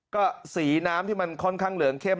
ก็สีน้ำที่มันค่อนข้างเหลืองเข้ม